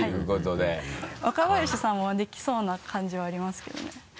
若林さんはできそうな感じはありますけどね。